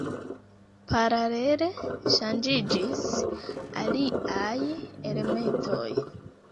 Paralele ŝanĝiĝis aliaj elementoj.